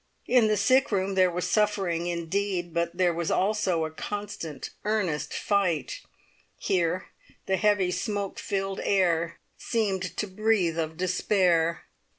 In the sick room there was suffering indeed, but there was also a constant, earnest fight; here, the heavy, smoke filled air seemed to breathe of despair!